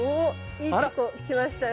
いいとこ来ましたよ。